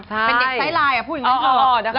เป็นเด็กใสลายหรอพูดอย่างนั้น